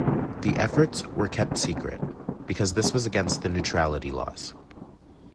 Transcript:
The efforts were kept secret, because this was against the neutrality laws.